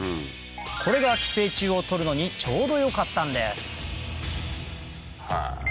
これが寄生虫を取るのにちょうどよかったんです